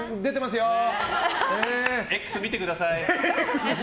Ｘ見てください！